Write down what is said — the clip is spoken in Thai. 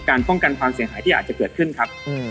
ป้องกันความเสียหายที่อาจจะเกิดขึ้นครับ